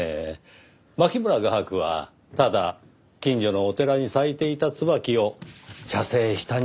牧村画伯はただ近所のお寺に咲いていた椿を写生したにすぎない。